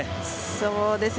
そうですね。